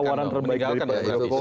pawanan terbaik dari pak jokowi